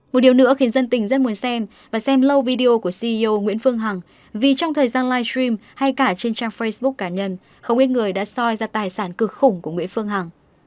một điều nữa khiến dân tình rất muốn xem và xem lâu video của ceo nguyễn phương hằng vì trong thời gian live stream hay cả trên trang facebook cá nhân không ít người đã soi ra tài sản cực khủng của nguyễn phương hằng